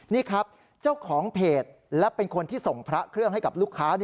นี่ครับเจ้าของเพจและเป็นคนที่ส่งพระเครื่องให้กับลูกค้า